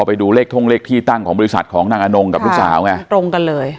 ไปดูเลขท่งเลขที่ตั้งของบริษัทของนางอนงกับลูกสาวไงตรงกันเลย